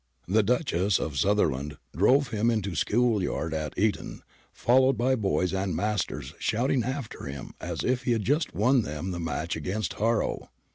The Duchess of Sutherland drove him into School yard at Eton, followed by boys and masters shouting after him as if he had just won them the match against Harrow.